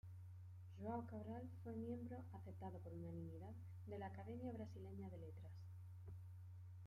João Cabral fue miembro -aceptado por unanimidad- de la Academia Brasileña de Letras.